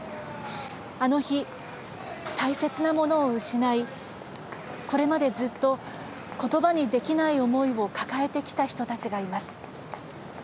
あの日、大切なものを失いこれまでずっとことばにできない思いを抱えてきた人たちがいます。